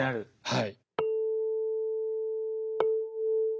はい。